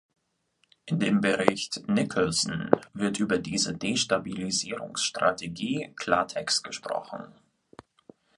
In dem Bericht Nicholson wird über diese Destabilisierungsstrategie Klartext gesprochen.